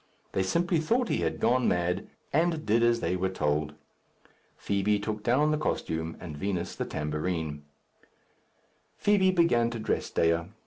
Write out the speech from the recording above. They simply thought he had gone mad, and did as they were told. Fibi took down the costume, and Vinos the tambourine. Fibi began to dress Dea.